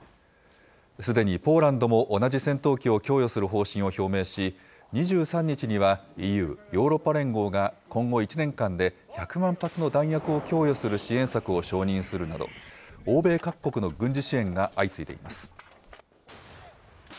すでにポーランドも同じ戦闘機を供与する方針を表明し、２３日には、ＥＵ・ヨーロッパ連合が今後１年間で、１００万発の弾薬を供与する支援策を承認するなど、欧米各国の軍事支援が相次いでいます。